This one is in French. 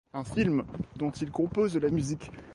Un film dont il compose la musique.